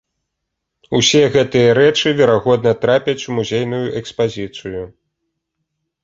Усе гэтыя рэчы верагодна трапяць у музейную экспазіцыю.